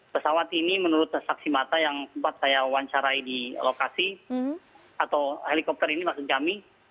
pesawat ini menurut saksi mata yang sempat saya wawancarai di lokasi atau helikopter ini maksud kami